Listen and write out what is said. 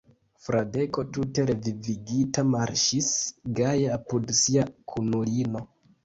Fradeko tute revivigita marŝis gaje apud sia kunulino.